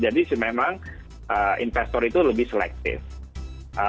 jadi memang investor itu lebih selective